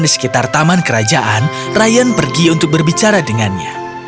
di sekitar taman kerajaan ryan pergi untuk berbicara dengannya